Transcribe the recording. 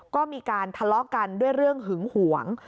ก็มีการทะเลาะกันด้วยเรื่องหึงหวง